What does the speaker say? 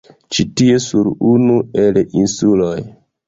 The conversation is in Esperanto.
Ĉi tie sur unu el insuloj